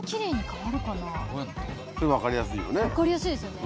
わかりやすいですよね。